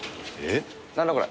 何だこれ。